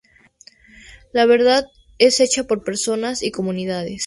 La verdad es hecha por personas y comunidades.